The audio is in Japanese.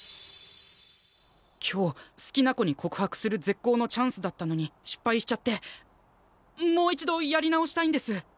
今日好きな子に告白する絶好のチャンスだったのに失敗しちゃってもう一度やり直したいんです。